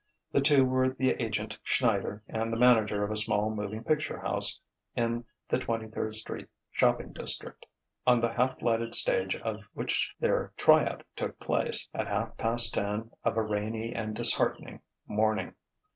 The two were the agent Schneider, and the manager of a small moving picture house in the Twenty third Street shopping district; on the half lighted stage of which their "try out" took place at half past ten of a rainy and disheartening morning.